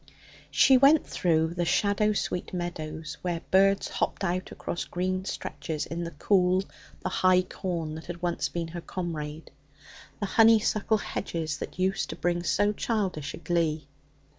She went through the shadow sweet meadows where birds hopped out across green stretches in the cool, the high corn that had once been her comrade, the honeysuckle hedges that used to bring so childish a glee.